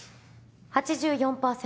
８４％。